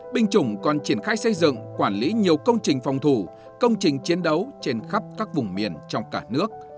binh chủng còn triển khai xây dựng quản lý nhiều công trình phòng thủ công trình chiến đấu trên khắp các vùng miền trong cả nước